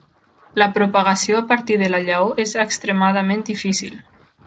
La propagació a partir de la llavor és extremadament difícil.